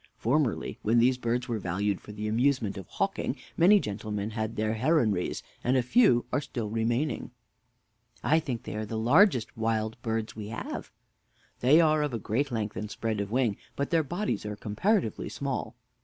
Formerly, when these birds were valued for the amusement of hawking, many gentlemen had their heronries, and a few are still remaining. W. I think they are the largest wild birds we have. Mr. A. They are of a great length and spread of wing, but their bodies are comparatively small.